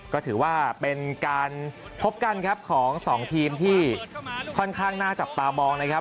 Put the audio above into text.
ก็ถือว่าเป็นการพบกันครับของสองทีมที่ค่อนข้างน่าจับตามองนะครับ